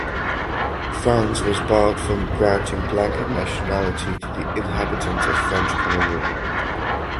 France was barred from granting blanket nationality to the inhabitants of French Cameroun.